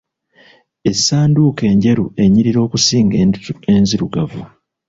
Essanduuke enjeru enyirira okusinga enzirugavu